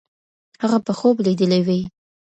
هغه به خوب لیدلی وي.